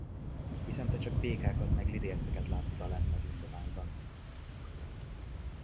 Hiszen te csak békákat meg lidérceket látsz odalenn az ingoványban!